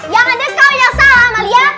yang ada kau yang salah amalia